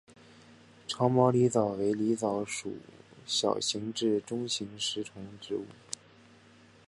长毛狸藻为狸藻属小型至中型食虫植物。